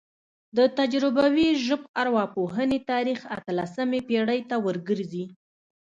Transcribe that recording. د تجربوي ژبارواپوهنې تاریخ اتلسمې پیړۍ ته ورګرځي